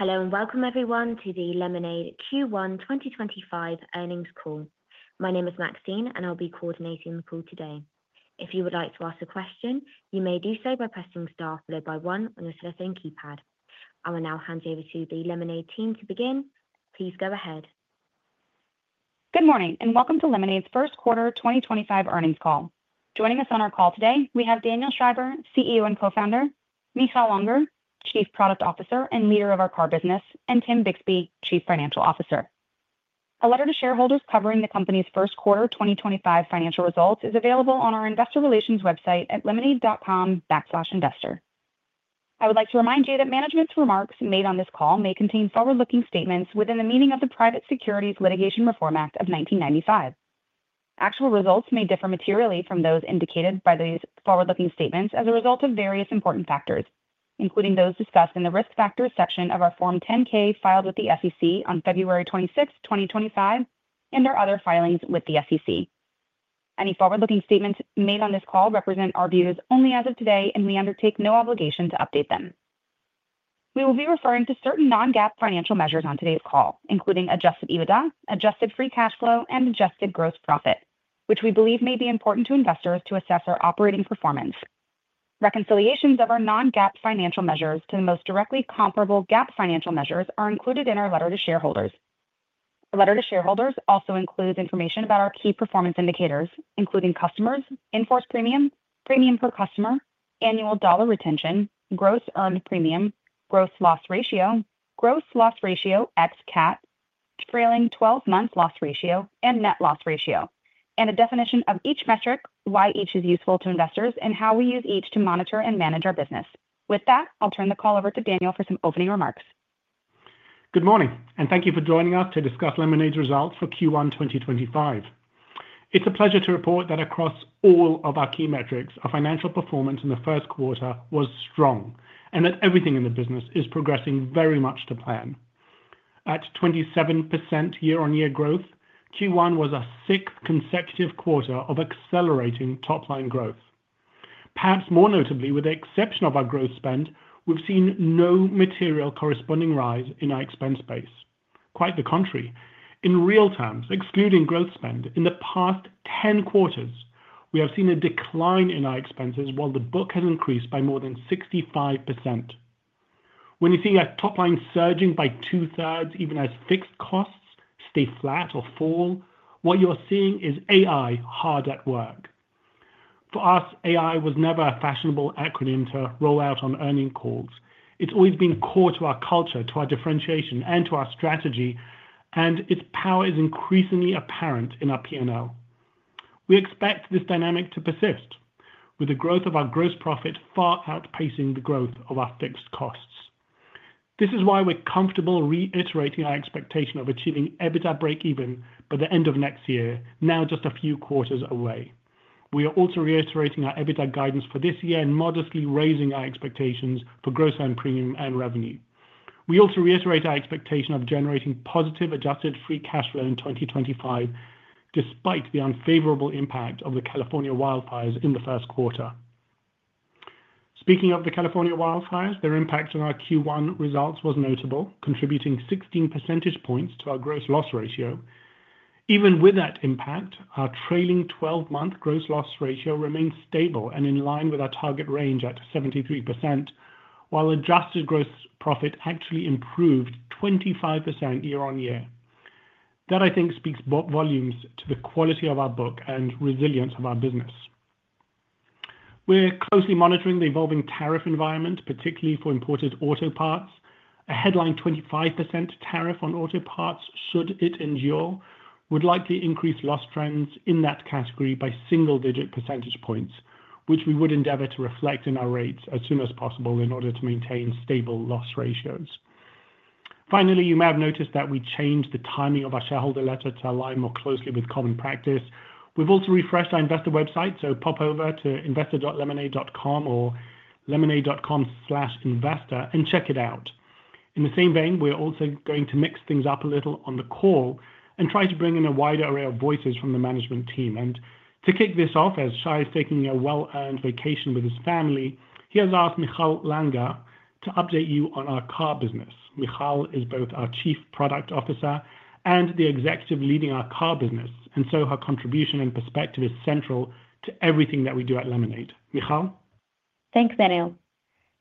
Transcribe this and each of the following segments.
Hello and welcome everyone to the Lemonade Q1 2025 Earnings call. My name is Maxine, and I'll be coordinating the call today. If you would like to ask a question, you may do so by pressing star followed by one on your telephone keypad. I will now hand you over to the Lemonade team to begin. Please go ahead. Good morning and welcome to Lemonade's first quarter 2025 earnings call. Joining us on our call today, we have Daniel Schreiber, CEO and co-founder; Michal Langer, Chief Product Officer and leader of our car business; and Tim Bixby, Chief Financial Officer. A letter to shareholders covering the company's first quarter 2025 financial results is avlable on our investor relations website at lemonade.com/investor. I would like to remind you that management's remarks made on this call may contain forward-looking statements within the meaning of the Private Securities Litigation Reform Act of 1995. Actual results may differ materially from those indicated by these forward-looking statements as a result of various important factors, including those discussed in the risk factors section of our Form 10-K filed with the SEC on February 26, 2025, and our other filings with the SEC. Any forward-looking statements made on this call represent our views only as of today, and we undertake no obligation to update them. We will be referring to certain non-GAAP financial measures on today's call, including adjusted EBITDA, adjusted free cash flow, and adjusted gross profit, which we believe may be important to investors to assess our operating performance. Reconciliations of our non-GAAP financial measures to the most directly comparable GAAP financial measures are included in our letter to shareholders. The letter to shareholders also includes information about our key performance indicators, including customers, in-force premium, premium per customer, annual dollar retention, gross earned premium, gross loss ratio, gross loss ratio ex CAT, trailing 12-month loss ratio, and net loss ratio, and a definition of each metric, why each is useful to investors, and how we use each to monitor and manage our business. With that, I'll turn the call over to Daniel for some opening remarks. Good morning, and thank you for joining us to discuss Lemonade's results for Q1 2025. It's a pleasure to report that across all of our key metrics, our financial performance in the first quarter was strong and that everything in the business is progressing very much to plan. At 27 year-on-year growth, Q1 was a sixth consecutive quarter of accelerating top-line growth. Perhaps more notably, with the exception of our growth spend, we've seen no material corresponding rise in our expense base. Quite the contrary, in real terms, excluding growth spend, in the past 10 quarters, we have seen a decline in our expenses while the book has increased by more than 65%. When you see our top-line surging by two-thirds, even as fixed costs stay flat or fall, what you're seeing is AI hard at work. For us, AI was never a fashionable acronym to roll out on earning calls. It's always been core to our culture, to our differentiation, and to our strategy, and its power is increasingly apparent in our P&L. We expect this dynamic to persist, with the growth of our gross profit far outpacing the growth of our fixed costs. This is why we're comfortable reiterating our expectation of achieving EBITDA break-even by the end of next year, now just a few quarters away. We are also reiterating our EBITDA guidance for this year and modestly raising our expectations for gross earned premium and revenue. We also reiterate our expectation of generating positive adjusted free cash flow in 2025, despite the unfavorable impact of the California wildfires in the first quarter. Speaking of the California wildfires, their impact on our Q1 results was notable, contributing 16 percentage points to our gross loss ratio. Even with that impact, our trailing 12-month gross loss ratio remained stable and in line with our target range at 73%, while adjusted gross profit actually improved 25% year-on-year. That, I think, speaks volumes to the quality of our book and resilience of our business. We're closely monitoring the evolving tariff environment, particularly for imported auto parts. A headline 25% tariff on auto parts, should it endure, would likely increase loss trends in that category by single-digit percentage points, which we would endeavor to reflect in our rates as soon as possible in order to maintain stable loss ratios. Finally, you may have noticed that we changed the timing of our shareholder letter to align more closely with common practice. We've also refreshed our investor website, so pop over to investor.lemonade.com or lemonade.com/investor and check it out. In the same vein, we're also going to mix things up a little on the call and try to bring in a wider array of voices from the management team. To kick this off, as Shai is taking a well-earned vacation with his family, he has asked Michal Langer to update you on our car business. Michal is both our Chief Product Officer and the executive leading our car business, and so her contribution and perspective is central to everything that we do at Lemonade. Michal? Thanks, Daniel.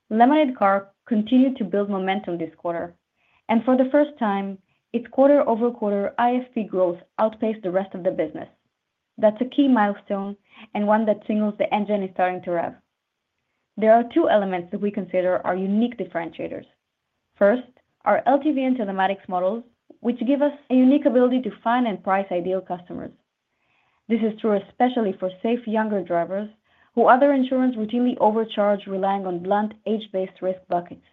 Lemonade Car continued to build momentum this quarter, and for the first time, its quarter-over-quarter IFP growth outpaced the rest of the business. That's a key milestone and one that signals the engine is starting to rev. There are two elements that we consider our unique differentiators. First, our LTV and telematics models, which give us a unique ability to find and price ideal customers. This is true especially for safe younger drivers, who other insurers routinely overcharge, relying on blunt age-based risk buckets.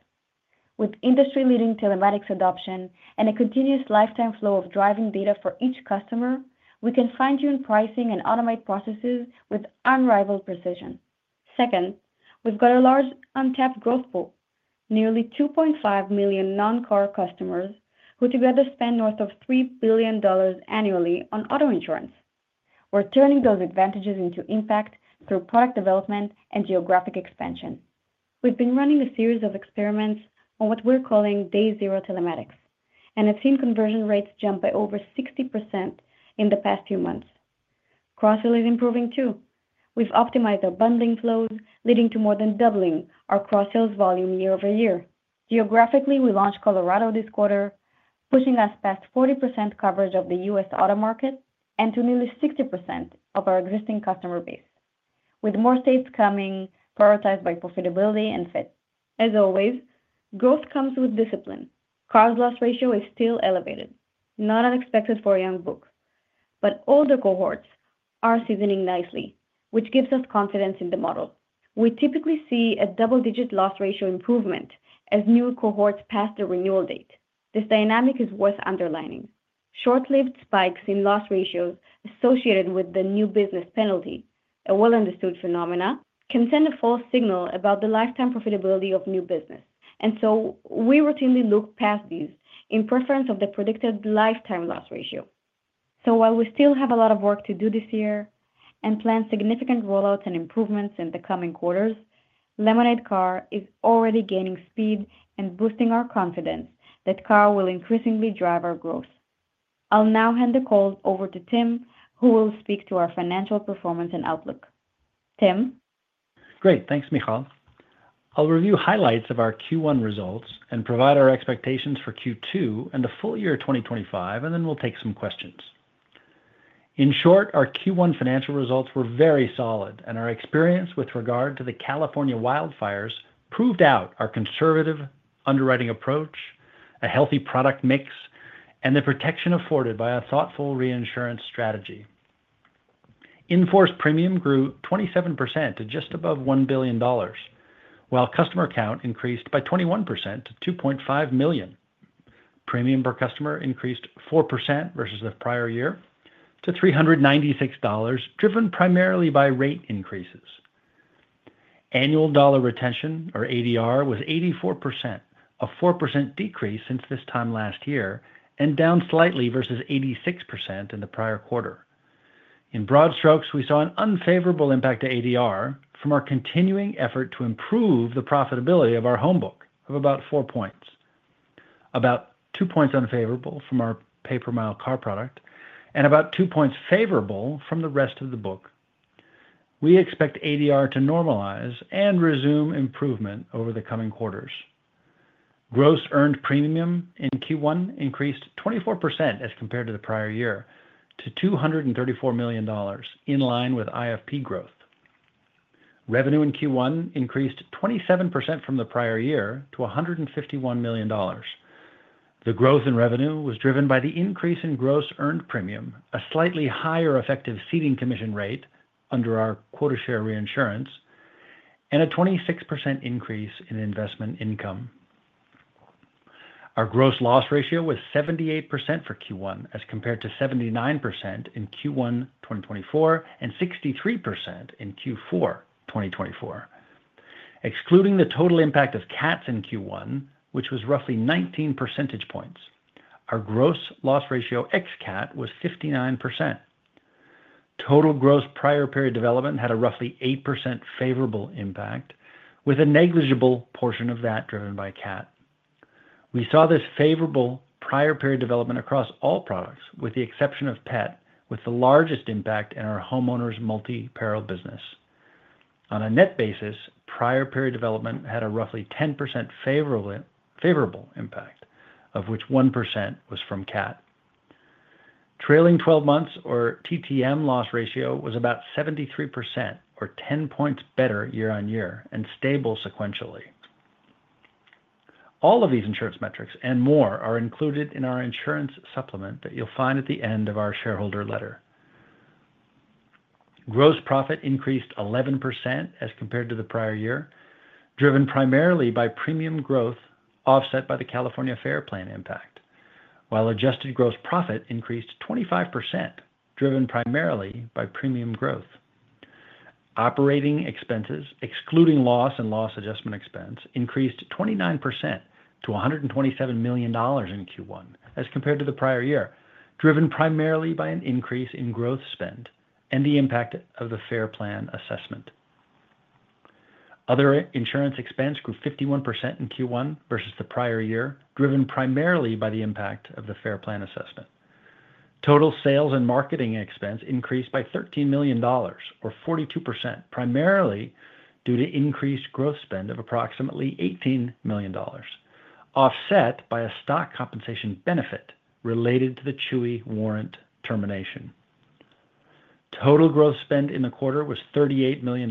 With industry-leading telematics adoption and a continuous lifetime flow of driving data for each customer, we can fine-tune pricing and automate processes with unrivaled precision. Second, we've got a large untapped growth pool, nearly 2.5 million non-car customers, who together spend north of $3 billion annually on auto insurance. We're turning those advantages into impact through product development and geographic expansion. We've been running a series of experiments on what we're calling Day Zero Telematics, and have seen conversion rates jump by over 60% in the past few months. Cross-sale is improving too. We've optimized our bundling flows, leading to more than doubling our cross-sales volume year over year. Geographically, we launched Colorado this quarter, pushing us past 40% coverage of the U.S. auto market and to nearly 60% of our existing customer base, with more states coming, prioritized by profitability and fit. As always, growth comes with discipline. Cars' loss ratio is still elevated, not unexpected for a young book, but older cohorts are seasoning nicely, which gives us confidence in the model. We typically see a double-digit loss ratio improvement as new cohorts pass the renewal date. This dynamic is worth underlining. Short-lived spikes in loss ratios associated with the new business penalty, a well-understood phenomenon, can send a false signal about the lifetime profitability of new business, and we routinely look past these in preference of the predicted lifetime loss ratio. While we still have a lot of work to do this year and plan significant rollouts and improvements in the coming quarters, Lemonade Car is already gaining speed and boosting our confidence that car will increasingly drive our growth. I'll now hand the call over to Tim, who will speak to our financial performance and outlook. Tim? Great. Thanks, Michal. I'll review highlights of our Q1 results and provide our expectations for Q2 and the full year 2025, and then we'll take some questions. In short, our Q1 financial results were very solid, and our experience with regard to the California wildfires proved out our conservative underwriting approach, a healthy product mix, and the protection afforded by a thoughtful reinsurance strategy. In-force premium grew 27% to just above $1 billion, while customer count increased by 21% to 2.5 million. Premium per customer increased 4% versus the prior year to $396, driven primarily by rate increases. Annual dollar retention, or ADR, was 84%, a 4% decrease since this time last year, and down slightly versus 86% in the prior quarter. In broad strokes, we saw an unfavorable impact to ADR from our continuing effort to improve the profitability of our home book, of about four points, about two points unfavorable from our pay-per-mile car product, and about two points favorable from the rest of the book. We expect ADR to normalize and resume improvement over the coming quarters. Gross earned premium in Q1 increased 24% as compared to the prior year to $234 million, in line with IFP growth. Revenue in Q1 increased 27% from the prior year to $151 million. The growth in revenue was driven by the increase in gross earned premium, a slightly higher effective ceding commission rate under our quarter-share reinsurance, and a 26% increase in investment income. Our gross loss ratio was 78% for Q1 as compared to 79% in Q1 2023 and 63% in Q4 2023. Excluding the total impact of CATs in Q1, which was roughly 19 percentage points, our gross loss ratio ex CAT was 59%. Total gross prior period development had a roughly 8% favorable impact, with a negligible portion of that driven by CAT. We saw this favorable prior period development across all products, with the exception of PET, with the largest impact in our homeowners' multi-peril business. On a net basis, prior period development had a roughly 10% favorable impact, of which 1% was from CAT. Trailing 12 months, or TTM, loss ratio was about 73%, or 10 points better year-on-year and stable sequentially. All of these insurance metrics and more are included in our insurance supplement that you'll find at the end of our shareholder letter. Gross profit increased 11% as compared to the prior year, driven primarily by premium growth offset by the California Fair Plan impact, while adjusted gross profit increased 25%, driven primarily by premium growth. Operating expenses, excluding loss and loss adjustment expense, increased 29% to $127 million in Q1 as compared to the prior year, driven primarily by an increase in growth spend and the impact of the Fair Plan assessment. Other insurance expense grew 51% in Q1 versus the prior year, driven primarily by the impact of the Fair Plan assessment. Total sales and marketing expense increased by $13 million, or 42%, primarily due to increased growth spend of approximately $18 million, offset by a stock compensation benefit related to the Chewy warrant termination. Total growth spend in the quarter was $38 million,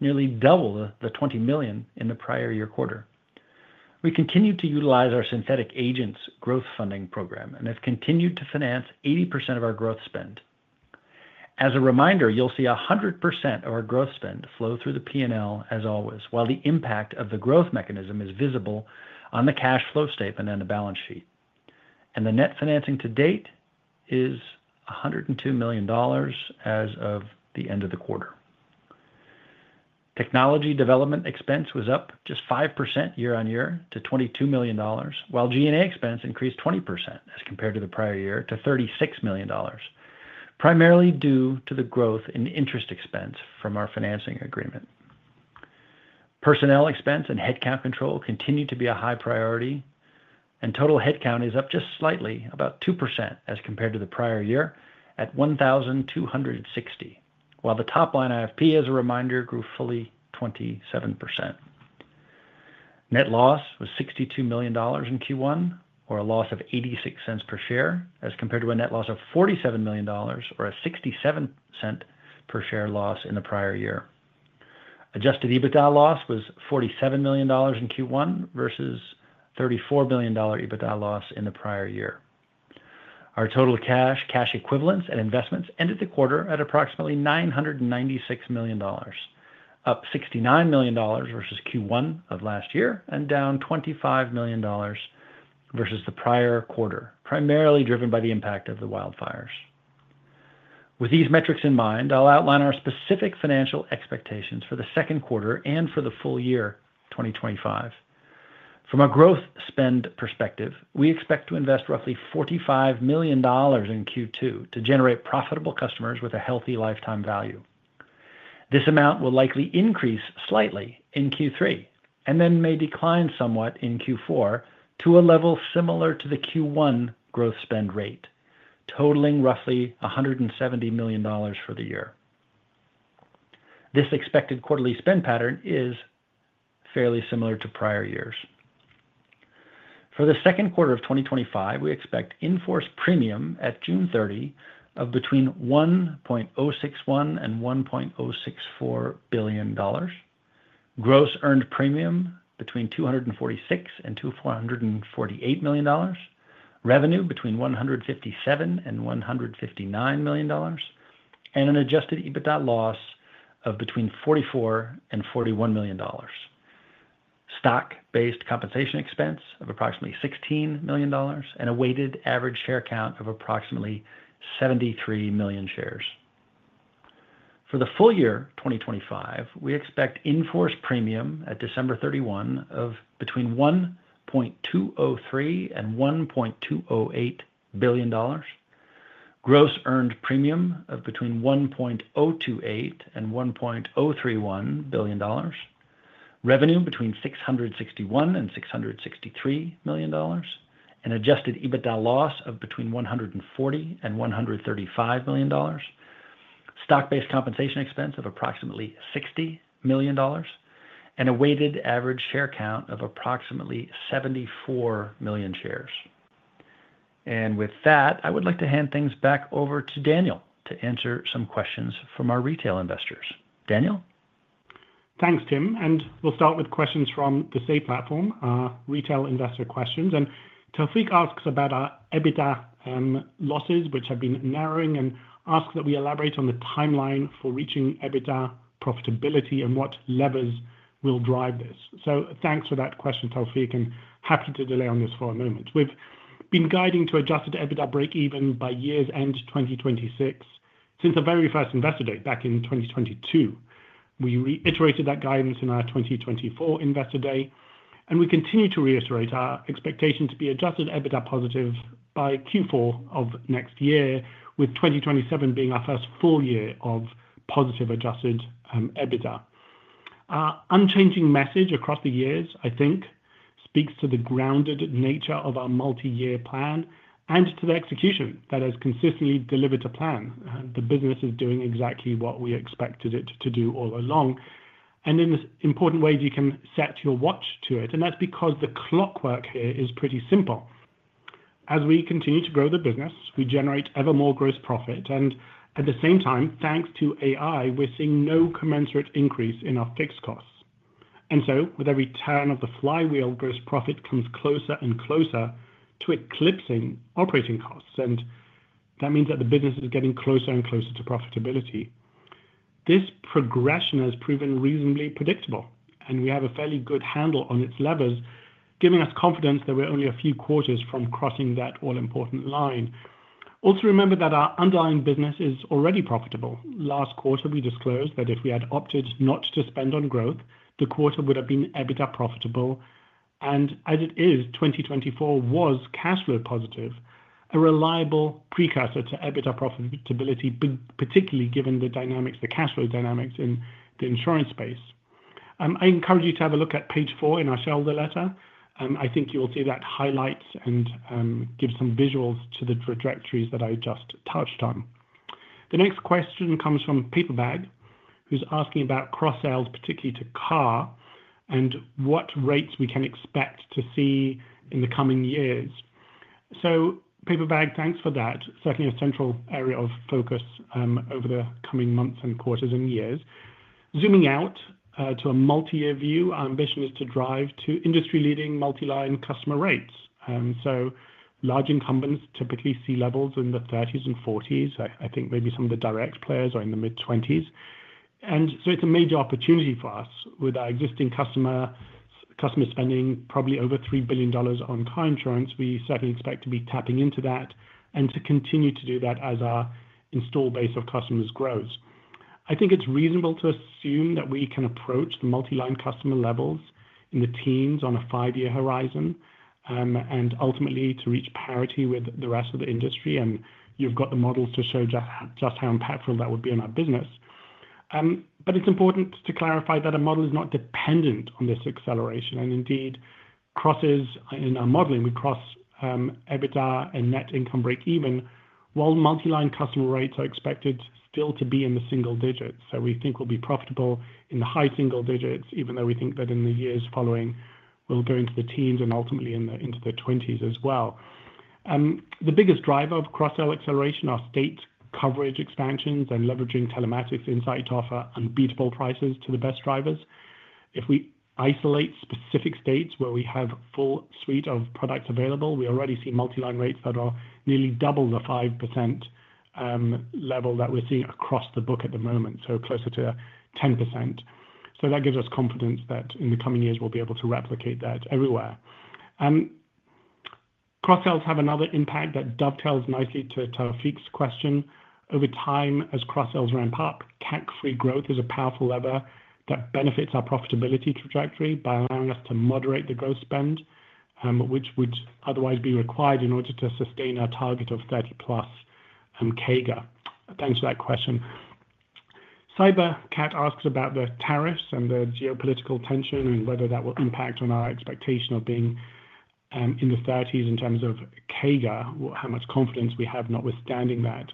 nearly double the $20 million in the prior year quarter. We continue to utilize our synthetic agents growth funding program and have continued to finance 80% of our growth spend. As a reminder, you'll see 100% of our growth spend flow through the P&L as always, while the impact of the growth mechanism is visible on the cash flow statement and the balance sheet. The net financing to date is $102 million as of the end of the quarter. Technology development expense was up just 5% year-on-year to $22 million, while G&A expense increased 20% as compared to the prior year to $36 million, primarily due to the growth in interest expense from our financing agreement. Personnel expense and headcount control continue to be a high priority, and total headcount is up just slightly, about 2%, as compared to the prior year at 1,260, while the top-line IFP, as a reminder, grew fully 27%. Net loss was $62 million in Q1, or a loss of $0.86 per share, as compared to a net loss of $47 million or a $0.67 per share loss in the prior year. Adjusted EBITDA loss was $47 million in Q1 versus $34 million EBITDA loss in the prior year. Our total cash, cash equivalents, and investments ended the quarter at approximately $996 million, up $69 million versus Q1 of last year and down $25 million versus the prior quarter, primarily driven by the impact of the wildfires. With these metrics in mind, I'll outline our specific financial expectations for the second quarter and for the full year 2025. From a growth spend perspective, we expect to invest roughly $45 million in Q2 to generate profitable customers with a healthy lifetime value. This amount will likely increase slightly in Q3 and then may decline somewhat in Q4 to a level similar to the Q1 growth spend rate, totaling roughly $170 million for the year. This expected quarterly spend pattern is fairly similar to prior years. For the second quarter of 2025, we expect in-force premium at June 30 of between $1.061 billion and $1.064 billion, gross earned premium between $246 million and $248 million, revenue between $157 million and $159 million, and an adjusted EBITDA loss of between $44 million and $41 million, stock-based compensation expense of approximately $16 million, and a weighted average share count of approximately 73 million shares. For the full year 2025, we expect in-force premium at December 31 of between $1.203 billion and $1.208 billion, gross earned premium of between $1.028 billion and $1.031 billion, revenue between $661 million and $663 million, and adjusted EBITDA loss of between $140 million and $135 million, stock-based compensation expense of approximately $60 million, and a weighted average share count of approximately 74 million shares. I would like to hand things back over to Daniel to answer some questions from our retail investors. Daniel? Thanks, Tim. We'll start with questions from the SAY platform, retail investor questions. Tawfiq asks about our EBITDA losses, which have been narrowing, and asks that we elaborate on the timeline for reaching EBITDA profitability and what levers will drive this. Thanks for that question, Tawfiq, and happy to delay on this for a moment. We've been guiding to adjusted EBITDA break-even by year's end 2026 since our very first investor date back in 2022. We reiterated that guidance in our 2024 investor day, and we continue to reiterate our expectation to be adjusted EBITDA positive by Q4 of next year, with 2027 being our first full year of positive adjusted EBITDA. Our unchanging message across the years, I think, speaks to the grounded nature of our multi-year plan and to the execution that has consistently delivered to plan. The business is doing exactly what we expected it to do all along. In important ways, you can set your watch to it. That is because the clockwork here is pretty simple. As we continue to grow the business, we generate ever more gross profit. At the same time, thanks to AI, we are seeing no commensurate increase in our fixed costs. With every turn of the flywheel, gross profit comes closer and closer to eclipsing operating costs. That means that the business is getting closer and closer to profitability. This progression has proven reasonably predictable, and we have a fairly good handle on its levers, giving us confidence that we are only a few quarters from crossing that all-important line. Also, remember that our underlying business is already profitable. Last quarter, we disclosed that if we had opted not to spend on growth, the quarter would have been EBITDA profitable. As it is, 2024 was cash flow positive, a reliable precursor to EBITDA profitability, particularly given the cash flow dynamics in the insurance space. I encourage you to have a look at page four in our shelter letter. I think you will see that highlights and gives some visuals to the trajectories that I just touched on. The next question comes from Paperbag, who's asking about cross-sales, particularly to car, and what rates we can expect to see in the coming years. Paperbag, thanks for that. Certainly a central area of focus over the coming months and quarters and years. Zooming out to a multi-year view, our ambition is to drive to industry-leading multi-line customer rates. Large incumbents typically see levels in the 30%-40% range. I think maybe some of the direct players are in the mid-20% range. It is a major opportunity for us. With our existing customer spending probably over $3 billion on car insurance, we certainly expect to be tapping into that and to continue to do that as our install base of customers grows. I think it is reasonable to assume that we can approach the multi-line customer levels in the teens on a five-year horizon and ultimately to reach parity with the rest of the industry. You have the models to show just how impactful that would be on our business. It is important to clarify that a model is not dependent on this acceleration. Indeed, crosses in our modeling, we cross EBITDA and net income break-even, while multi-line customer rates are expected still to be in the single digits. We think we'll be profitable in the high single digits, even though we think that in the years following, we'll go into the teens and ultimately into the 20s as well. The biggest driver of cross-sale acceleration are state coverage expansions and leveraging Telematics Insight to offer unbeatable prices to the best drivers. If we isolate specific states where we have a full suite of products available, we already see multi-line rates that are nearly double the 5% level that we're seeing across the book at the moment, so closer to 10%. That gives us confidence that in the coming years, we'll be able to replicate that everywhere. Cross-sales have another impact that dovetails nicely to Tawfiq's question. Over time, as cross-sales ramp up, CAC-free growth is a powerful lever that benefits our profitability trajectory by allowing us to moderate the growth spend, which would otherwise be required in order to sustain our target of 30% plus CAGR. Thanks for that question. Cyber Cat asks about the tariffs and the geopolitical tension and whether that will impact on our expectation of being in the 30s in terms of CAGR, how much confidence we have notwithstanding that.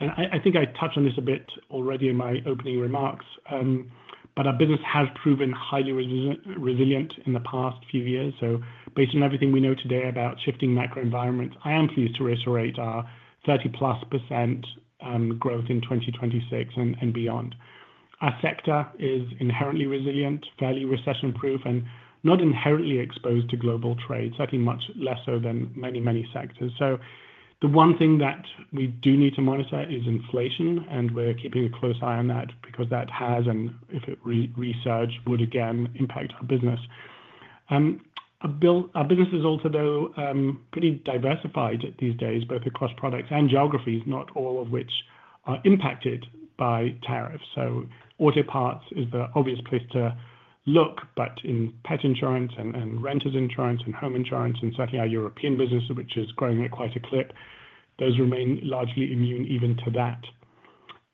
I think I touched on this a bit already in my opening remarks, but our business has proven highly resilient in the past few years. Based on everything we know today about shifting macro environments, I am pleased to reiterate our 30% plus growth in 2026 and beyond. Our sector is inherently resilient, fairly recession-proof, and not inherently exposed to global trade, certainly much less so than many, many sectors. The one thing that we do need to monitor is inflation, and we're keeping a close eye on that because that has, and if it resurges, would again impact our business. Our business is also, though, pretty diversified these days, both across products and geographies, not all of which are impacted by tariffs. Auto parts is the obvious place to look, but in pet insurance and renters insurance and home insurance, and certainly our European business, which is growing at quite a clip, those remain largely immune even to that.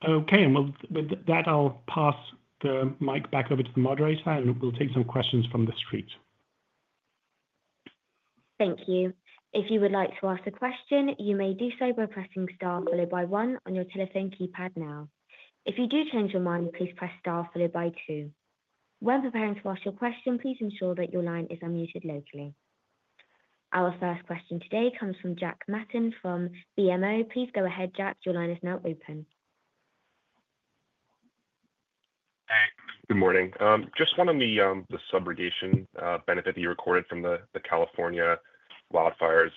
Okay, and with that, I'll pass the mic back over to the moderator, and we'll take some questions from the street. Thank you. If you would like to ask a question, you may do so by pressing star followed by one on your telephone keypad now. If you do change your mind, please press star followed by two. When preparing to ask your question, please ensure that your line is unmuted locally. Our first question today comes from Jack Matten from BMO. Please go ahead, Jack. Your line is now open. Hey, good morning. Just one on the subrogation benefit that you recorded from the California wildfires.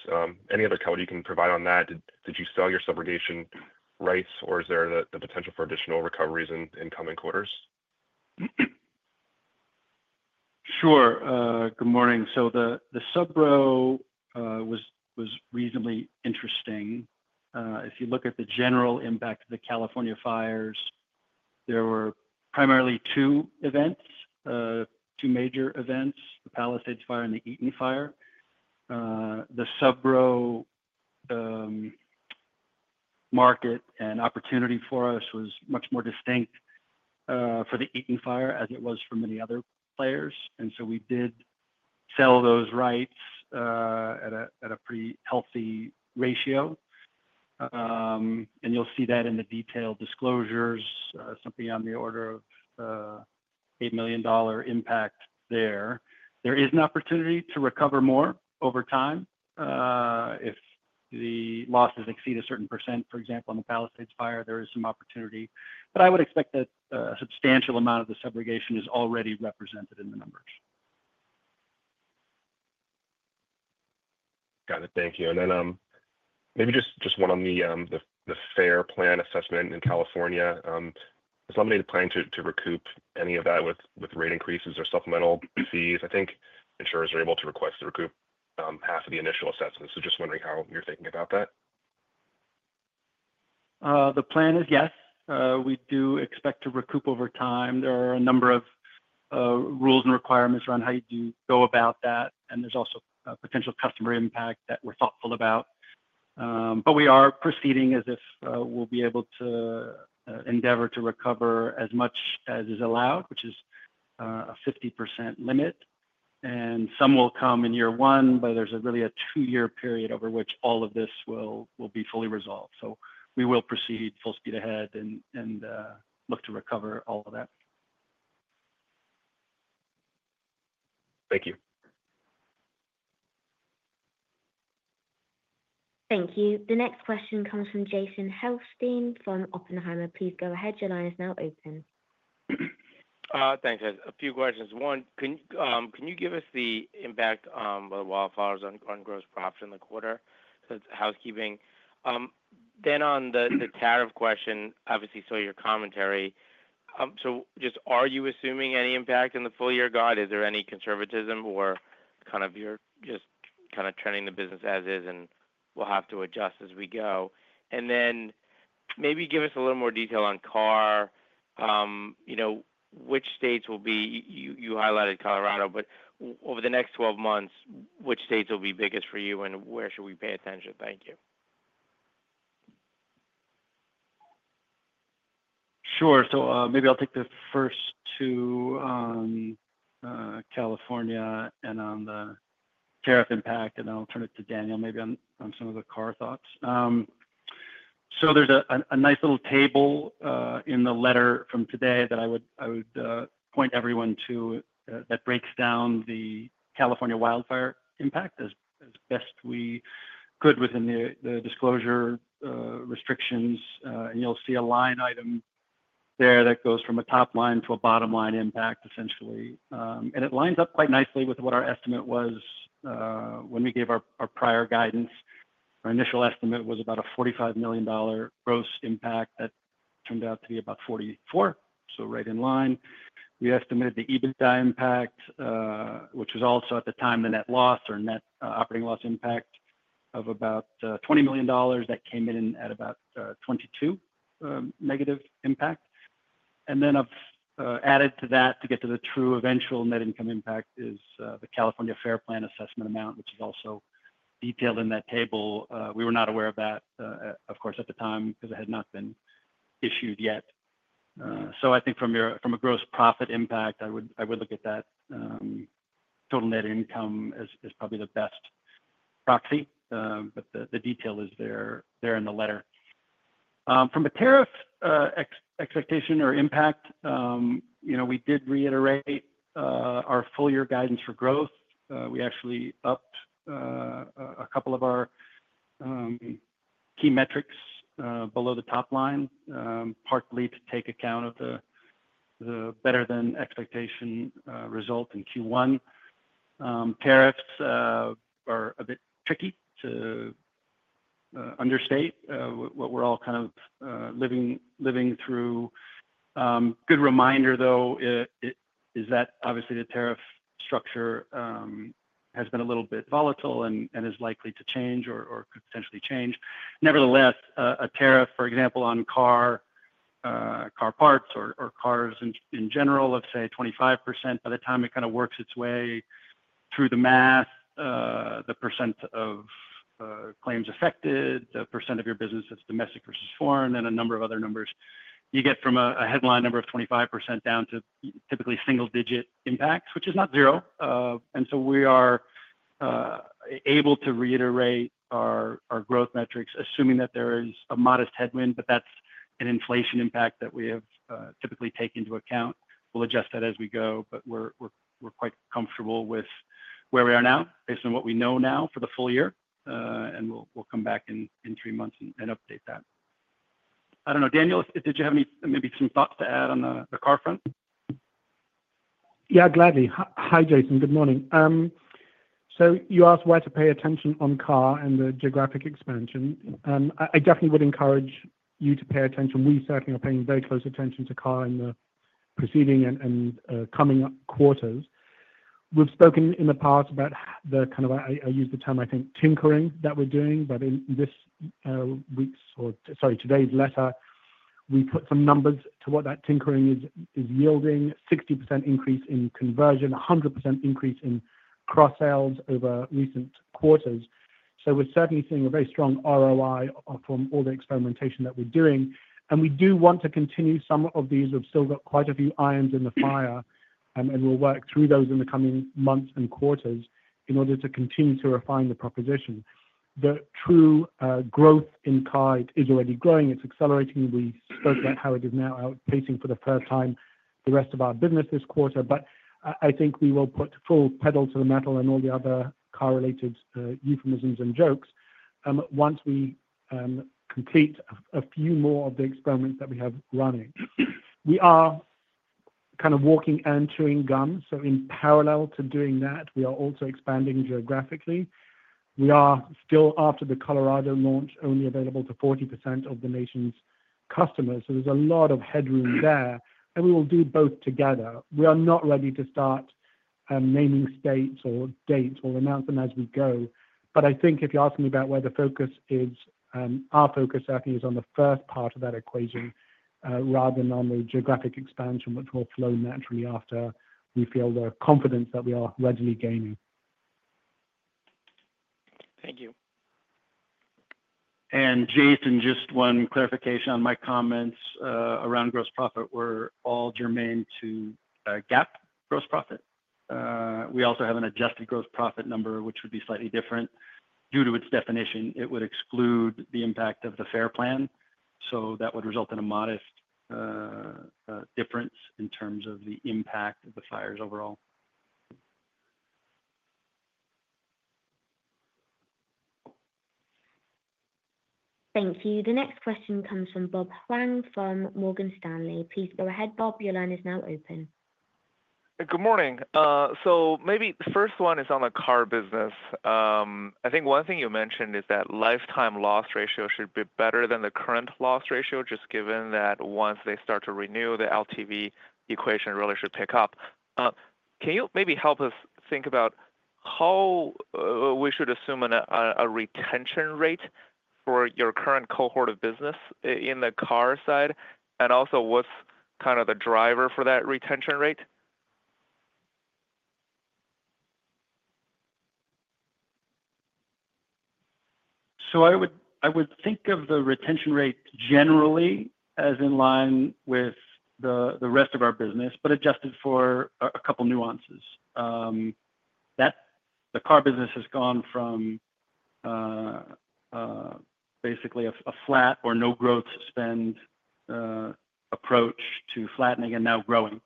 Any other coverage you can provide on that? Did you sell your subrogation rights, or is there the potential for additional recoveries in coming quarters? Sure. Good morning. The subro was reasonably interesting. If you look at the general impact of the California fires, there were primarily two events, two major events, the Palisades Fire and the Eaton Fire. The subro market and opportunity for us was much more distinct for the Eaton Fire as it was for many other players. We did sell those rights at a pretty healthy ratio. You will see that in the detailed disclosures, something on the order of $8 million impact there. There is an opportunity to recover more over time. If the losses exceed a certain percent, for example, on the Palisades Fire, there is some opportunity. I would expect that a substantial amount of the subrogation is already represented in the numbers. Got it. Thank you. Maybe just one on the Fair Plan assessment in California. Has somebody planned to recoup any of that with rate increases or supplemental fees? I think insurers are able to request to recoup half of the initial assessment. Just wondering how you're thinking about that. The plan is yes. We do expect to recoup over time. There are a number of rules and requirements around how you do go about that. There is also potential customer impact that we're thoughtful about. We are proceeding as if we'll be able to endeavor to recover as much as is allowed, which is a 50% limit. Some will come in year one, but there is really a two-year period over which all of this will be fully resolved. We will proceed full speed ahead and look to recover all of that. Thank you. Thank you. The next question comes from Jason Helfstein from Oppenheimer. Please go ahead. Your line is now open. Thanks, guys. A few questions. One, can you give us the impact on wildfires on gross profit in the quarter? It's housekeeping. On the tariff question, obviously, saw your commentary. Are you assuming any impact in the full year? Is there any conservatism or kind of you're just turning the business as is and we'll have to adjust as we go? Maybe give us a little more detail on car. Which states will be? You highlighted Colorado, but over the next 12 months, which states will be biggest for you and where should we pay attention? Thank you. Sure. Maybe I'll take the first two on California and on the tariff impact, and I'll turn it to Daniel maybe on some of the car thoughts. There's a nice little table in the letter from today that I would point everyone to that breaks down the California wildfire impact as best we could within the disclosure restrictions. You'll see a line item there that goes from a top line to a bottom line impact, essentially. It lines up quite nicely with what our estimate was when we gave our prior guidance. Our initial estimate was about a $45 million gross impact that turned out to be about $44 million, so right in line. We estimated the EBITDA impact, which was also at the time the net loss or net operating loss impact of about $20 million that came in at about $22 million negative impact. Then added to that to get to the true eventual net income impact is the California Fair Plan assessment amount, which is also detailed in that table. We were not aware of that, of course, at the time because it had not been issued yet. I think from a gross profit impact, I would look at that total net income as probably the best proxy, but the detail is there in the letter. From a tariff expectation or impact, we did reiterate our full year guidance for growth. We actually upped a couple of our key metrics below the top line, partly to take account of the better than expectation result in Q1. Tariffs are a bit tricky to understate what we're all kind of living through. Good reminder, though, is that obviously the tariff structure has been a little bit volatile and is likely to change or could potentially change. Nevertheless, a tariff, for example, on car parts or cars in general of, say, 25% by the time it kind of works its way through the math, the percent of claims affected, the percent of your business that's domestic versus foreign, and a number of other numbers, you get from a headline number of 25% down to typically single-digit impacts, which is not zero. We are able to reiterate our growth metrics, assuming that there is a modest headwind, but that's an inflation impact that we have typically taken into account. We'll adjust that as we go, but we're quite comfortable with where we are now based on what we know now for the full year, and we'll come back in three months and update that. I don't know. Daniel, did you have maybe some thoughts to add on the car front? Yeah, gladly. Hi, Jason. Good morning. You asked why to pay attention on car and the geographic expansion. I definitely would encourage you to pay attention. We certainly are paying very close attention to car in the preceding and coming quarters. We've spoken in the past about the kind of, I use the term, I think, tinkering that we're doing, but in this week's, or sorry, today's letter, we put some numbers to what that tinkering is yielding: 60% increase in conversion, 100% increase in cross-sales over recent quarters. We're certainly seeing a very strong ROI from all the experimentation that we're doing. We do want to continue some of these. We've still got quite a few irons in the fire, and we'll work through those in the coming months and quarters in order to continue to refine the proposition. The true growth in car is already growing. It's accelerating. We spoke about how it is now outpacing for the first time the rest of our business this quarter. I think we will put full pedal to the metal and all the other car-related euphemisms and jokes once we complete a few more of the experiments that we have running. We are kind of walking and chewing gum. In parallel to doing that, we are also expanding geographically. We are still, after the Colorado launch, only available to 40% of the nation's customers. There's a lot of headroom there, and we will do both together. We are not ready to start naming states or dates or announcing as we go, but I think if you ask me about where the focus is, our focus certainly is on the first part of that equation rather than on the geographic expansion, which will flow naturally after we feel the confidence that we are readily gaining. Thank you. Jason, just one clarification on my comments around gross profit. We are all germane to GAAP gross profit. We also have an adjusted gross profit number, which would be slightly different. Due to its definition, it would exclude the impact of the Fair Plan. That would result in a modest difference in terms of the impact of the fires overall. Thank you. The next question comes from Bob Hwang from Morgan Stanley. Please go ahead, Bob. Your line is now open. Good morning. Maybe the first one is on the car business. I think one thing you mentioned is that lifetime loss ratio should be better than the current loss ratio, just given that once they start to renew, the LTV equation really should pick up. Can you maybe help us think about how we should assume a retention rate for your current cohort of business in the car side? Also, what's kind of the driver for that retention rate? I would think of the retention rate generally as in line with the rest of our business, but adjusted for a couple of nuances. The car business has gone from basically a flat or no growth spend approach to flattening and now growing.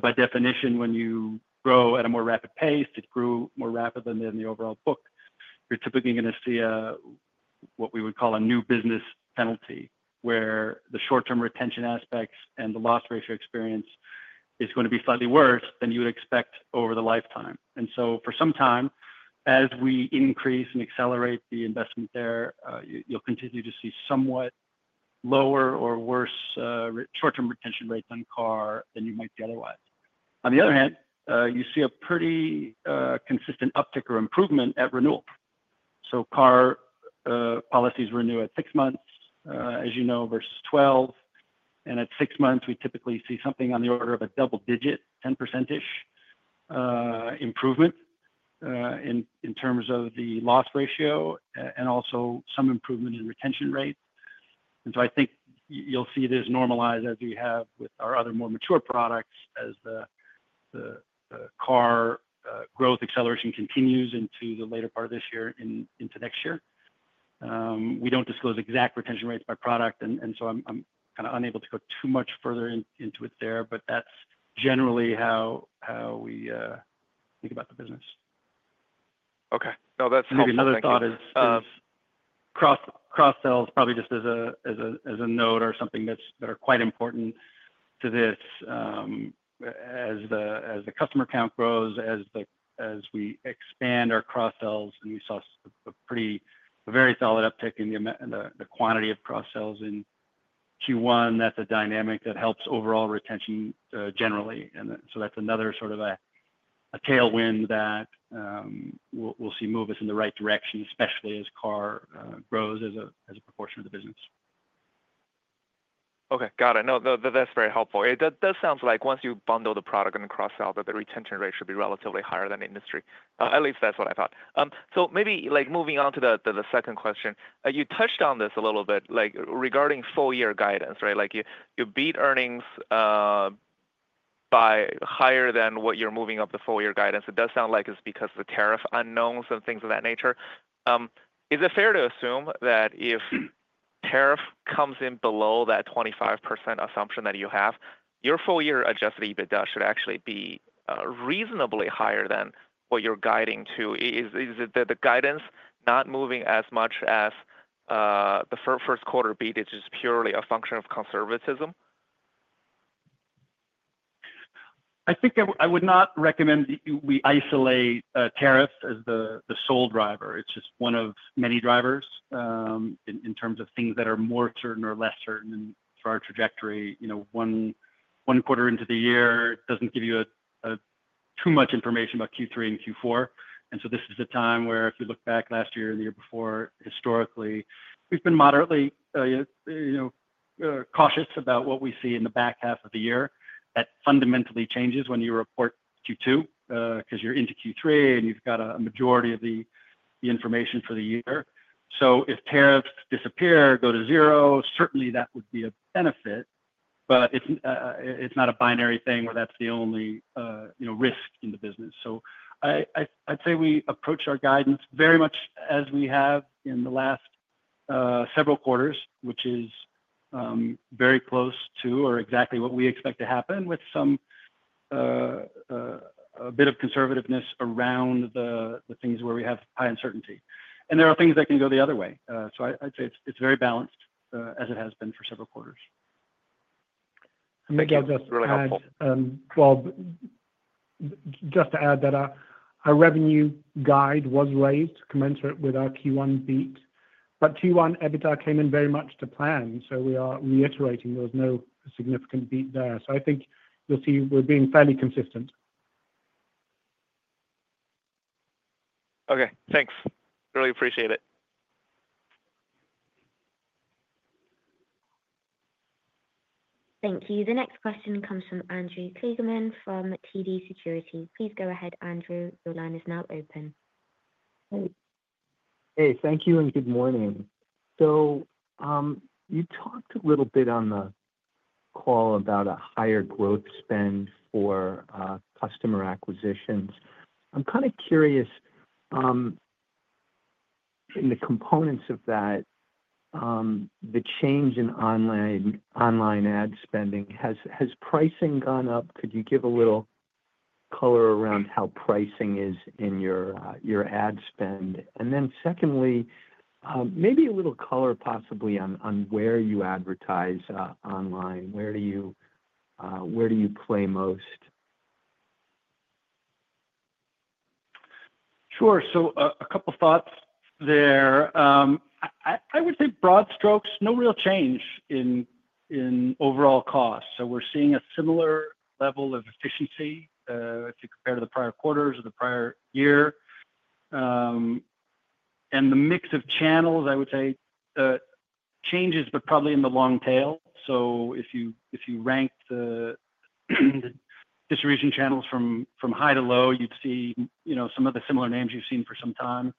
By definition, when you grow at a more rapid pace, it grew more rapidly than the overall book. You're typically going to see what we would call a new business penalty, where the short-term retention aspects and the loss ratio experience is going to be slightly worse than you would expect over the lifetime. For some time, as we increase and accelerate the investment there, you'll continue to see somewhat lower or worse short-term retention rate than car than you might see otherwise. On the other hand, you see a pretty consistent uptick or improvement at renewal. Car policies renew at six months, as you know, versus 12. At six months, we typically see something on the order of a double-digit, 10%-ish improvement in terms of the loss ratio and also some improvement in retention rate. I think you'll see this normalize as we have with our other more mature products as the car growth acceleration continues into the later part of this year into next year. We don't disclose exact retention rates by product, and so I'm kind of unable to go too much further into it there, but that's generally how we think about the business. Okay. No, that's helpful. Maybe another thought is cross-sells, probably just as a note or something that are quite important to this. As the customer count grows, as we expand our cross-sells, and we saw a very solid uptick in the quantity of cross-sells in Q1, that's a dynamic that helps overall retention generally. That is another sort of a tailwind that we'll see move us in the right direction, especially as car grows as a proportion of the business. Okay. Got it. No, that's very helpful. It does sound like once you bundle the product and cross-sell, the retention rate should be relatively higher than the industry. At least that's what I thought. Maybe moving on to the second question, you touched on this a little bit regarding full year guidance, right? You beat earnings by higher than what you're moving up the full year guidance. It does sound like it's because of the tariff unknowns and things of that nature. Is it fair to assume that if tariff comes in below that 25% assumption that you have, your full year adjusted EBITDA should actually be reasonably higher than what you're guiding to? Is it that the guidance not moving as much as the first quarter beat is just purely a function of conservatism? I think I would not recommend we isolate tariffs as the sole driver. It's just one of many drivers in terms of things that are more certain or less certain for our trajectory. One quarter into the year doesn't give you too much information about Q3 and Q4. This is the time where if you look back last year and the year before, historically, we've been moderately cautious about what we see in the back half of the year. That fundamentally changes when you report Q2 because you're into Q3 and you've got a majority of the information for the year. If tariffs disappear, go to zero, certainly that would be a benefit, but it's not a binary thing where that's the only risk in the business. I'd say we approach our guidance very much as we have in the last several quarters, which is very close to or exactly what we expect to happen with a bit of conservativeness around the things where we have high uncertainty. There are things that can go the other way. I'd say it's very balanced as it has been for several quarters. Thank you. That's really helpful. Bob, just to add that our revenue guide was raised commensurate with our Q1 beat, but Q1 EBITDA came in very much to plan. We are reiterating there was no significant beat there. I think you'll see we're being fairly consistent. Okay. Thanks. Really appreciate it. Thank you. The next question comes from Andrew Kligerman from TD Securities. Please go ahead, Andrew. Your line is now open. Hey. Thank you and good morning. You talked a little bit on the call about a higher growth spend for customer acquisitions. I'm kind of curious, in the components of that, the change in online ad spending, has pricing gone up? Could you give a little color around how pricing is in your ad spend? Secondly, maybe a little color possibly on where you advertise online. Where do you play most? Sure. A couple of thoughts there. I would say broad strokes, no real change in overall costs. We're seeing a similar level of efficiency as you compare to the prior quarters or the prior year. The mix of channels, I would say, changes, but probably in the long tail. If you ranked the distribution channels from high to low, you'd see some of the similar names you've seen for some time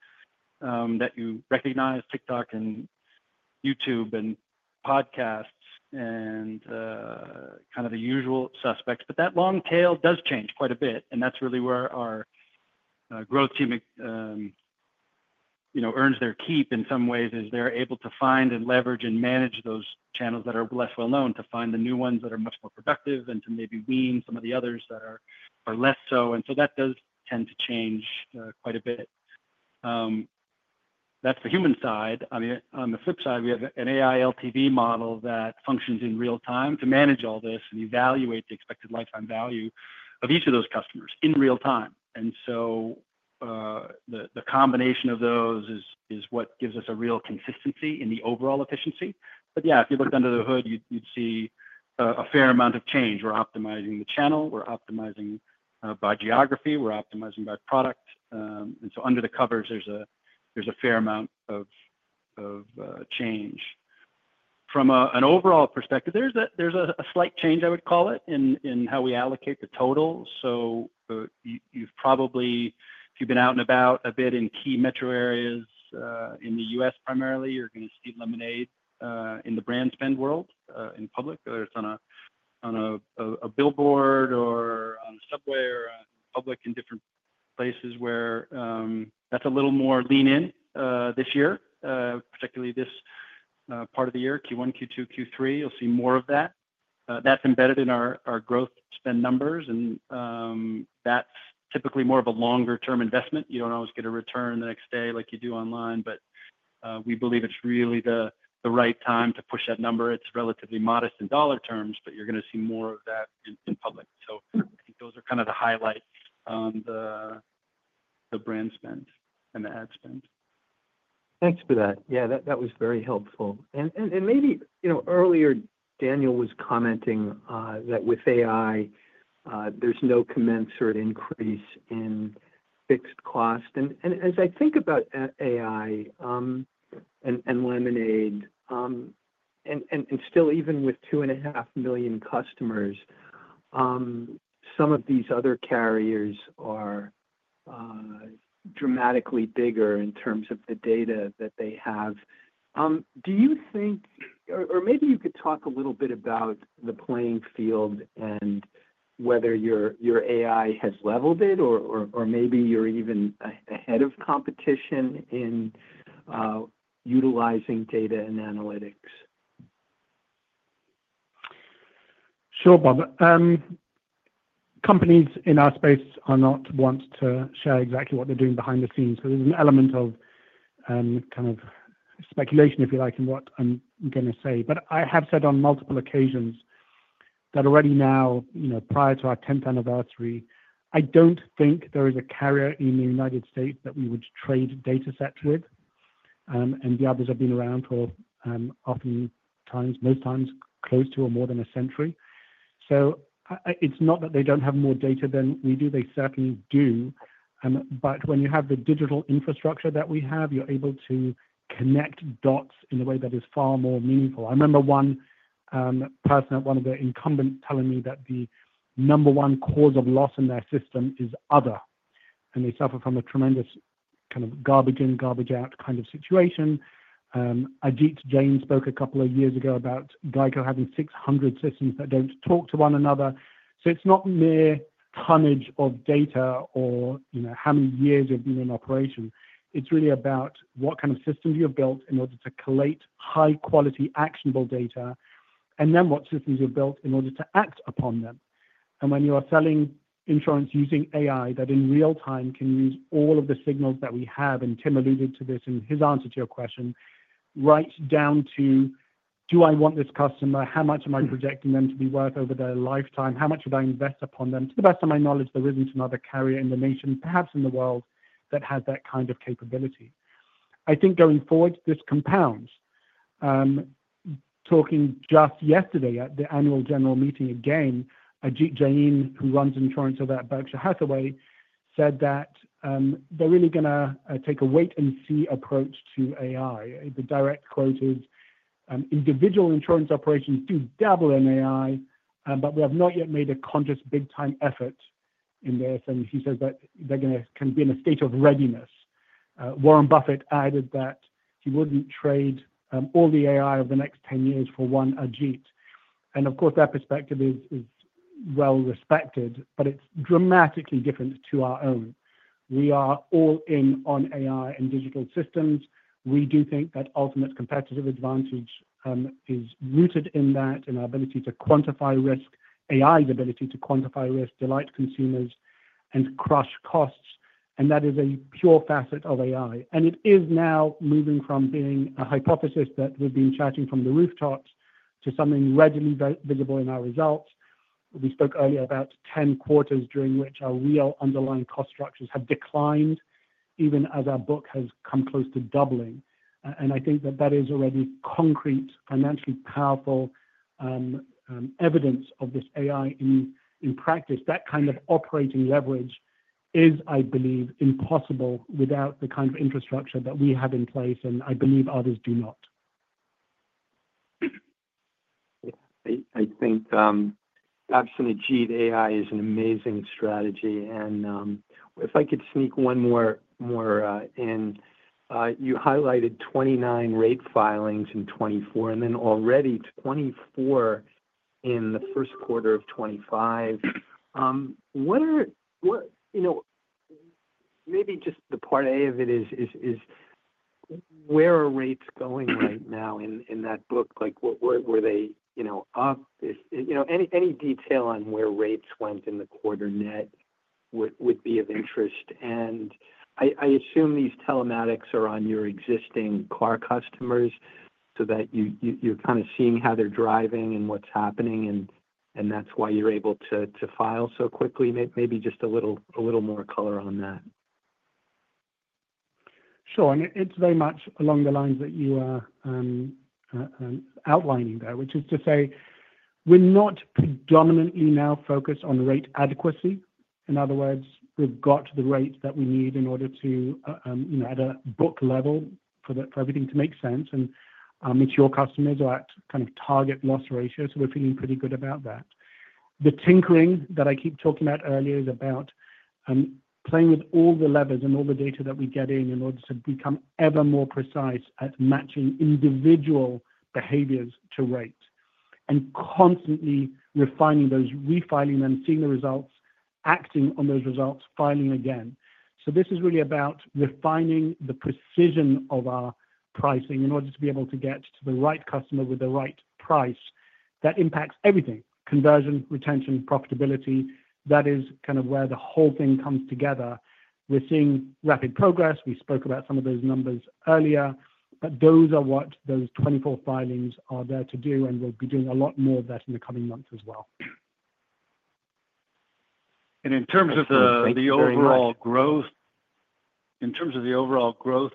that you recognize: TikTok and YouTube and podcasts and kind of the usual suspects. That long tail does change quite a bit, and that's really where our growth team earns their keep in some ways, as they're able to find and leverage and manage those channels that are less well-known to find the new ones that are much more productive and to maybe wean some of the others that are less so. That does tend to change quite a bit. That is the human side. On the flip side, we have an AI LTV model that functions in real time to manage all this and evaluate the expected lifetime value of each of those customers in real time. The combination of those is what gives us a real consistency in the overall efficiency. Yeah, if you looked under the hood, you'd see a fair amount of change. We're optimizing the channel. We're optimizing by geography. We're optimizing by product. Under the covers, there's a fair amount of change. From an overall perspective, there's a slight change, I would call it, in how we allocate the total. If you've been out and about a bit in key metro areas in the U.S. primarily, you're going to see Lemonade in the brand spend world in public, whether it's on a billboard or on a subway or in public in different places where that's a little more lean-in this year, particularly this part of the year, Q1, Q2, Q3. You'll see more of that. That's embedded in our growth spend numbers, and that's typically more of a longer-term investment. You don't always get a return the next day like you do online, but we believe it's really the right time to push that number. It's relatively modest in dollar terms, but you're going to see more of that in public. I think those are kind of the highlights on the brand spend and the ad spend. Thanks for that. Yeah, that was very helpful. Maybe earlier, Daniel was commenting that with AI, there's no commensurate increase in fixed cost. As I think about AI and Lemonade, and still, even with two and a half million customers, some of these other carriers are dramatically bigger in terms of the data that they have. Do you think, or maybe you could talk a little bit about the playing field and whether your AI has leveled it, or maybe you're even ahead of competition in utilizing data and analytics? Sure, Bob. Companies in our space are not wanting to share exactly what they're doing behind the scenes. There's an element of kind of speculation, if you like, in what I'm going to say. I have said on multiple occasions that already now, prior to our 10th anniversary, I don't think there is a carrier in the U.S. that we would trade data sets with. The others have been around for oftentimes, most times, close to or more than a century. It's not that they don't have more data than we do. They certainly do. When you have the digital infrastructure that we have, you're able to connect dots in a way that is far more meaningful. I remember one person at one of the incumbents telling me that the number one cause of loss in their system is other, and they suffer from a tremendous kind of garbage in, garbage out kind of situation. Ajit Jain spoke a couple of years ago about Geico having 600 systems that do not talk to one another. It is not mere tonnage of data or how many years you have been in operation. It is really about what kind of systems you have built in order to collate high-quality, actionable data, and then what systems you have built in order to act upon them. When you are selling insurance using AI that in real time can use all of the signals that we have, and Tim alluded to this in his answer to your question, right down to, do I want this customer? How much am I projecting them to be worth over their lifetime? How much would I invest upon them? To the best of my knowledge, there isn't another carrier in the nation, perhaps in the world, that has that kind of capability. I think going forward, this compounds. Talking just yesterday at the annual general meeting again, Ajit Jain, who runs insurance over at Berkshire Hathaway, said that they're really going to take a wait-and-see approach to AI. The direct quote is, "Individual insurance operations do dabble in AI, but we have not yet made a conscious big-time effort in this." He says that they're going to be in a state of readiness. Warren Buffett added that he wouldn't trade all the AI of the next 10 years for one Ajit. Of course, that perspective is well respected, but it's dramatically different to our own. We are all in on AI and digital systems. We do think that ultimate competitive advantage is rooted in that, in our ability to quantify risk, AI's ability to quantify risk, delight consumers, and crush costs. That is a pure facet of AI. It is now moving from being a hypothesis that we've been chatting from the rooftops to something readily visible in our results. We spoke earlier about 10 quarters during which our real underlying cost structures have declined, even as our book has come close to doubling. I think that that is already concrete, financially powerful evidence of this AI in practice. That kind of operating leverage is, I believe, impossible without the kind of infrastructure that we have in place, and I believe others do not. I think absolutely, AI is an amazing strategy. If I could sneak one more in, you highlighted 29 rate filings in 2024 and then already 24 in the first quarter of 2025. Maybe just the part A of it is, where are rates going right now in that book? Were they up? Any detail on where rates went in the quarter net would be of interest. I assume these telematics are on your existing car customers so that you're kind of seeing how they're driving and what's happening, and that's why you're able to file so quickly. Maybe just a little more color on that. Sure. It is very much along the lines that you are outlining there, which is to say we are not predominantly now focused on rate adequacy. In other words, we have got the rate that we need in order to, at a book level, for everything to make sense. It is your customers who act kind of target loss ratio, so we are feeling pretty good about that. The tinkering that I keep talking about earlier is about playing with all the levers and all the data that we get in in order to become ever more precise at matching individual behaviors to rate and constantly refining those, refiling them, seeing the results, acting on those results, filing again. This is really about refining the precision of our pricing in order to be able to get to the right customer with the right price. That impacts everything: conversion, retention, profitability. That is kind of where the whole thing comes together. We're seeing rapid progress. We spoke about some of those numbers earlier, but those are what those 24 filings are there to do, and we'll be doing a lot more of that in the coming months as well. In terms of the overall growth, in terms of the overall growth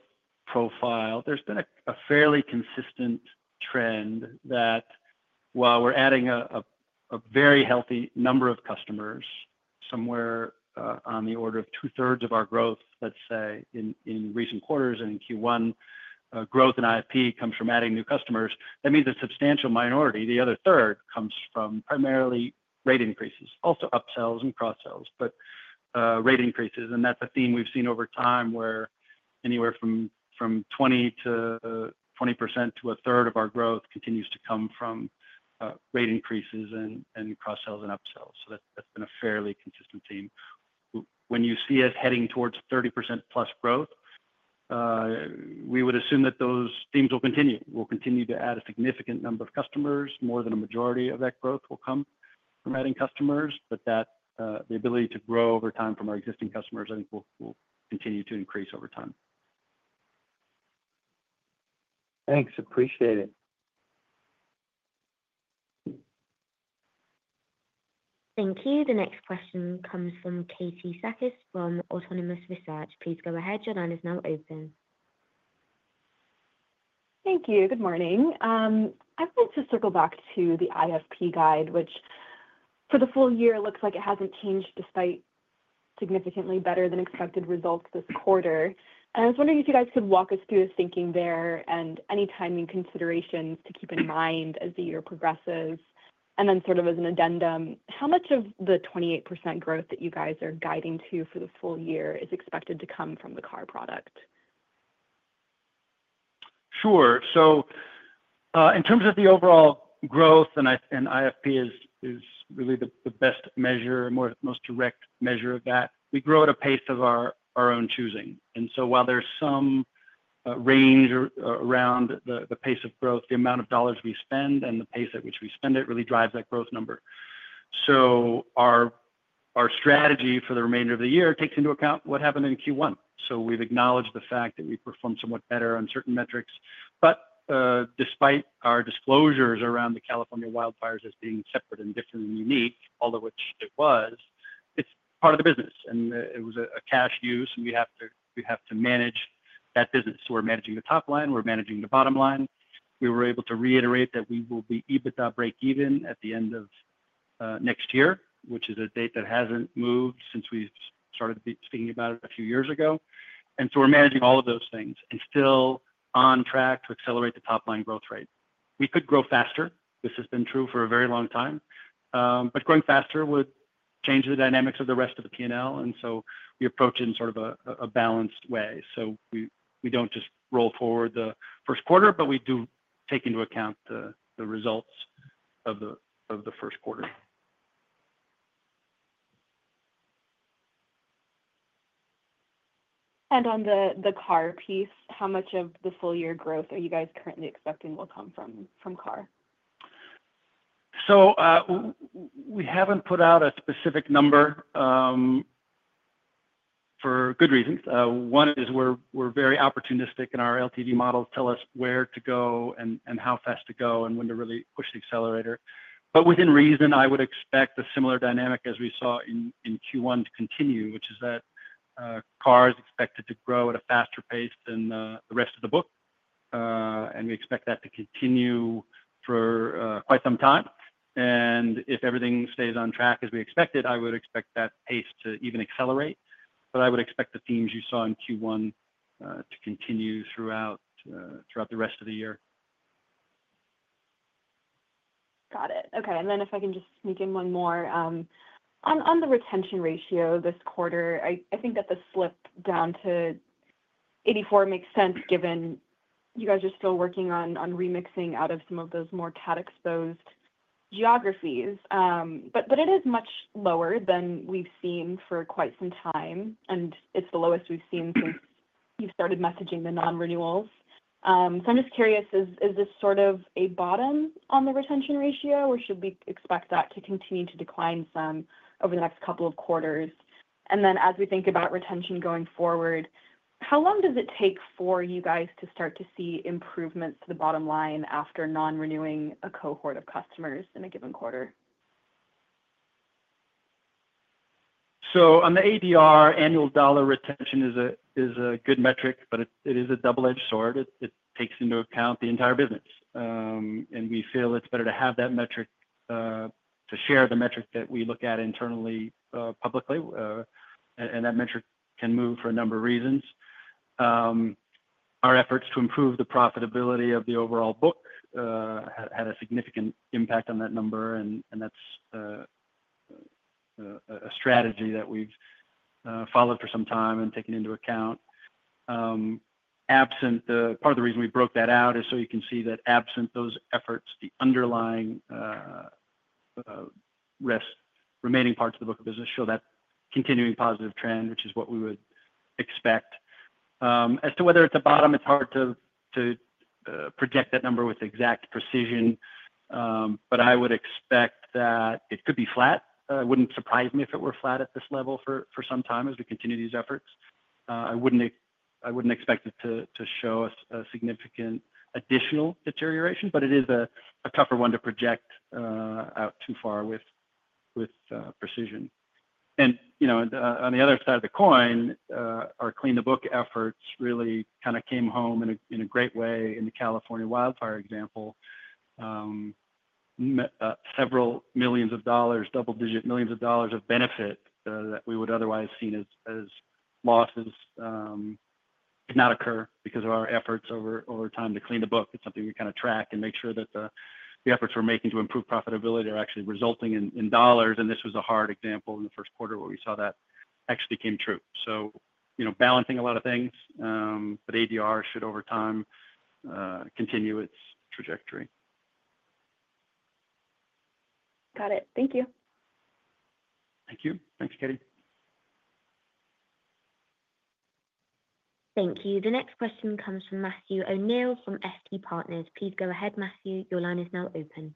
profile, there's been a fairly consistent trend that while we're adding a very healthy number of customers, somewhere on the order of two-thirds of our growth, let's say, in recent quarters and in Q1, growth in IFP comes from adding new customers. That means a substantial minority. The other third comes from primarily rate increases, also upsells and cross-sells, but rate increases. That's a theme we've seen over time where anywhere from 20% to a third of our growth continues to come from rate increases and cross-sells and upsells. That's been a fairly consistent theme. When you see us heading towards 30% plus growth, we would assume that those themes will continue. We'll continue to add a significant number of customers, more than a majority of that growth will come from adding customers, but the ability to grow over time from our existing customers, I think, will continue to increase over time. Thanks. Appreciate it. Thank you. The next question comes from Katie Sakys from Autonomous Research. Please go ahead. Your line is now open. Thank you. Good morning. I want to circle back to the IFP guide, which for the full year looks like it hasn't changed despite significantly better than expected results this quarter. I was wondering if you guys could walk us through the thinking there and any timing considerations to keep in mind as the year progresses. Then sort of as an addendum, how much of the 28% growth that you guys are guiding to for the full year is expected to come from the car product? Sure. In terms of the overall growth, and IFP is really the best measure, most direct measure of that, we grow at a pace of our own choosing. While there's some range around the pace of growth, the amount of dollars we spend and the pace at which we spend it really drives that growth number. Our strategy for the remainder of the year takes into account what happened in Q1. We've acknowledged the fact that we performed somewhat better on certain metrics. Despite our disclosures around the California wildfires as being separate and different and unique, all of which it was, it's part of the business. It was a cash use, and we have to manage that business. We're managing the top line. We're managing the bottom line. We were able to reiterate that we will be EBITDA break-even at the end of next year, which is a date that has not moved since we have started speaking about it a few years ago. We are managing all of those things and still on track to accelerate the top-line growth rate. We could grow faster. This has been true for a very long time. Growing faster would change the dynamics of the rest of the P&L. We approach it in sort of a balanced way. We do not just roll forward the first quarter, but we do take into account the results of the first quarter. On the car piece, how much of the full-year growth are you guys currently expecting will come from car? We haven't put out a specific number for good reasons. One is we're very opportunistic, and our LTV models tell us where to go and how fast to go and when to really push the accelerator. Within reason, I would expect a similar dynamic as we saw in Q1 to continue, which is that car is expected to grow at a faster pace than the rest of the book. We expect that to continue for quite some time. If everything stays on track as we expected, I would expect that pace to even accelerate. I would expect the themes you saw in Q1 to continue throughout the rest of the year. Got it. Okay. If I can just sneak in one more. On the retention ratio this quarter, I think that the slip down to 84% makes sense given you guys are still working on remixing out of some of those more cat-exposed geographies. It is much lower than we've seen for quite some time, and it's the lowest we've seen since you've started messaging the non-renewals. I'm just curious, is this sort of a bottom on the retention ratio, or should we expect that to continue to decline some over the next couple of quarters? As we think about retention going forward, how long does it take for you guys to start to see improvements to the bottom line after non-renewing a cohort of customers in a given quarter? On the ADR, annual dollar retention is a good metric, but it is a double-edged sword. It takes into account the entire business. We feel it is better to have that metric, to share the metric that we look at internally publicly. That metric can move for a number of reasons. Our efforts to improve the profitability of the overall book had a significant impact on that number, and that is a strategy that we have followed for some time and taken into account. Part of the reason we broke that out is so you can see that absent those efforts, the underlying remaining parts of the book of business show that continuing positive trend, which is what we would expect. As to whether it is a bottom, it is hard to project that number with exact precision, but I would expect that it could be flat. It would not surprise me if it were flat at this level for some time as we continue these efforts. I would not expect it to show a significant additional deterioration, but it is a tougher one to project out too far with precision. On the other side of the coin, our clean-the-book efforts really kind of came home in a great way in the California wildfire example. Several millions of dollars, double-digit millions of dollars of benefit that we would otherwise have seen as losses did not occur because of our efforts over time to clean the book. It is something we kind of track and make sure that the efforts we are making to improve profitability are actually resulting in dollars. This was a hard example in the first quarter where we saw that actually came true. Balancing a lot of things, but ADR should over time continue its trajectory. Got it. Thank you. Thank you. Thanks, Katie. Thank you. The next question comes from Matthew O'Neill from FT Partners. Please go ahead, Matthew. Your line is now open.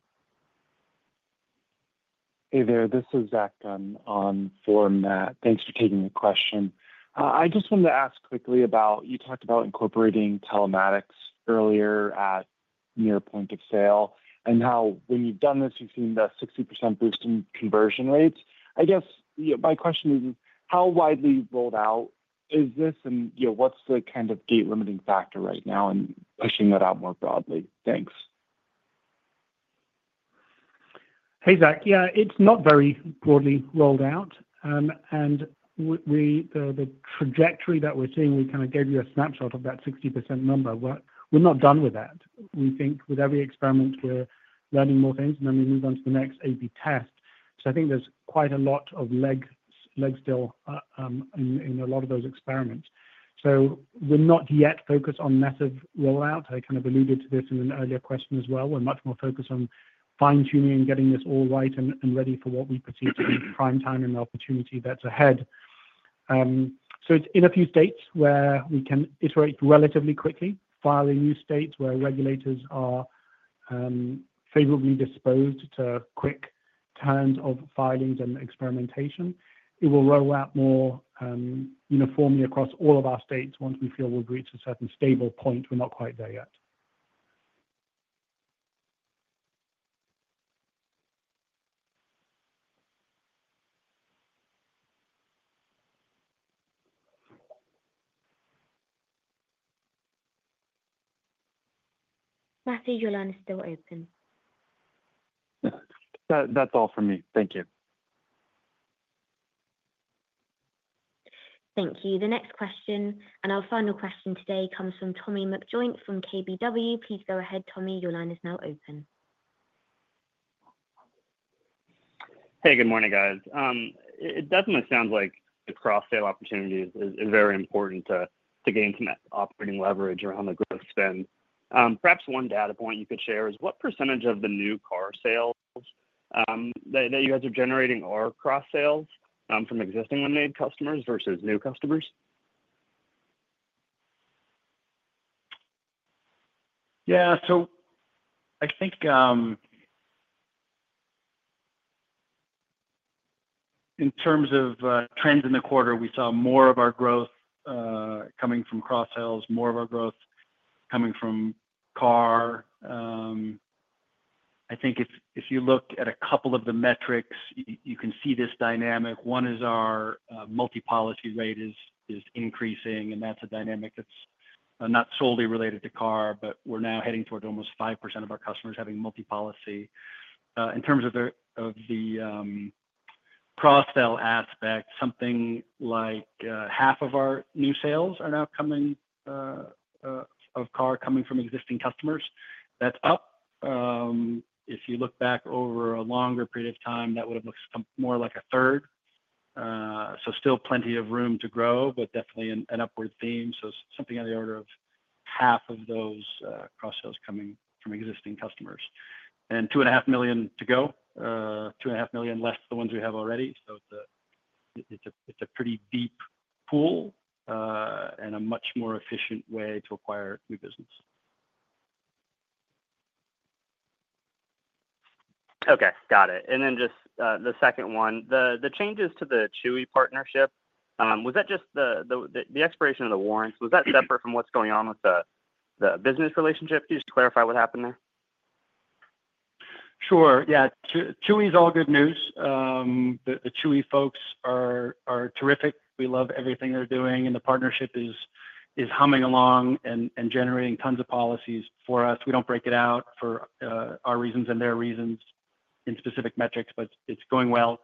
Hey there. This is Zach on for Matt. Thanks for taking the question. I just wanted to ask quickly about you talked about incorporating telematics earlier at near point of sale and how when you've done this, you've seen the 60% boost in conversion rates. I guess my question is, how widely rolled out is this, and what's the kind of gate-limiting factor right now in pushing that out more broadly? Thanks. Hey, Zach. Yeah, it's not very broadly rolled out. The trajectory that we're seeing, we kind of gave you a snapshot of that 60% number. We're not done with that. We think with every experiment, we're learning more things, and then we move on to the next A/B test. I think there's quite a lot of legs still in a lot of those experiments. We're not yet focused on massive rollout. I kind of alluded to this in an earlier question as well. We're much more focused on fine-tuning and getting this all right and ready for what we perceive to be prime time and the opportunity that's ahead. It's in a few states where we can iterate relatively quickly, file in new states where regulators are favorably disposed to quick turns of filings and experimentation. It will roll out more uniformly across all of our states once we feel we've reached a certain stable point. We're not quite there yet. Matthew, your line is still open. That's all from me. Thank you. Thank you. The next question and our final question today comes from Tommy McJoynt from KBW. Please go ahead, Tommy. Your line is now open. Hey, good morning, guys. It definitely sounds like the cross-sale opportunity is very important to gain some operating leverage around the growth spend. Perhaps one data point you could share is what percentage of the new car sales that you guys are generating are cross-sales from existing Lemonade customers versus new customers? Yeah. So, I think in terms of trends in the quarter, we saw more of our growth coming from cross-sales, more of our growth coming from car. I think if you look at a couple of the metrics, you can see this dynamic. One is our multi-policy rate is increasing, and that's a dynamic that's not solely related to car, but we're now heading toward almost 5% of our customers having multi-policy. In terms of the cross-sale aspect, something like half of our new sales are now coming of car coming from existing customers. That's up. If you look back over a longer period of time, that would have looked more like a third. Still plenty of room to grow, but definitely an upward theme. Something on the order of half of those cross-sales coming from existing customers. Two and a half million to go, two and a half million less the ones we have already. It is a pretty deep pool and a much more efficient way to acquire new business. Okay. Got it. And then just the second one, the changes to the Chewy partnership, was that just the expiration of the warrants? Was that separate from what's going on with the business relationship? Just to clarify what happened there. Sure. Yeah. Chewy is all good news. The Chewy folks are terrific. We love everything they're doing. The partnership is humming along and generating tons of policies for us. We do not break it out for our reasons and their reasons in specific metrics, but it is going well.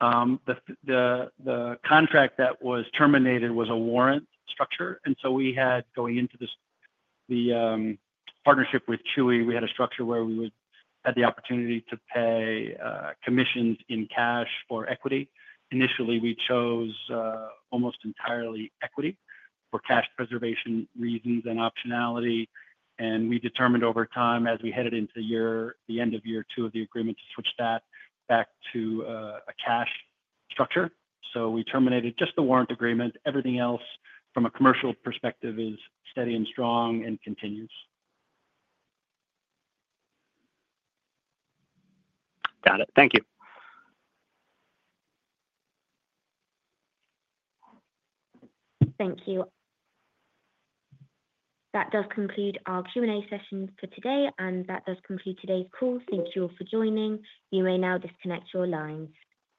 The contract that was terminated was a warrant structure. We had, going into the partnership with Chewy, a structure where we had the opportunity to pay commissions in cash or equity. Initially, we chose almost entirely equity for cash preservation reasons and optionality. We determined over time as we headed into the end of year two of the agreement to switch that back to a cash structure. We terminated just the warrant agreement. Everything else from a commercial perspective is steady and strong and continues. Got it. Thank you. Thank you. That does conclude our Q&A session for today. That does conclude today's call. Thank you all for joining. You may now disconnect your lines.